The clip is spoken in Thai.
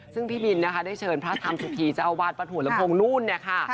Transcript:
ซึ่งพี่บินได้เชิญพระธรรมสุภีร์เจ้าวาดวัดหัวลำโพงนู่นค่ะ